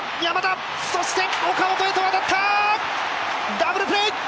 ダブルプレー。